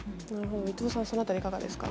伊藤さん、そのあたりいかがですか。